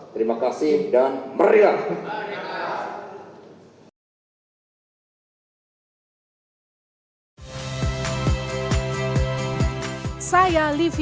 terima kasih dan meriah